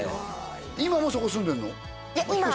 今もそこ住んでんの？